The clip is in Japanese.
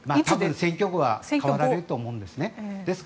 選挙区は変わられると思うんですね。